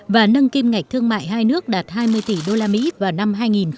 và nâng kim ngạch thương mại hai nước đạt hai mươi tỷ usd vào năm hai nghìn hai mươi